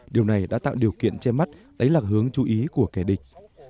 điều này đã tạo điều kiện che mắt đáy lạc hướng chú ý của kẻ địch